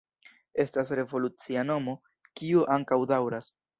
Estas revolucia nomo, kiu ankaŭ daŭras.